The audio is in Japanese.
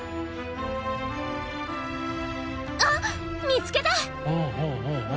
あっ見つけた！